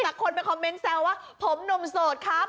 แต่คนไปคอมเมนต์แซวว่าผมหนุ่มโสดครับ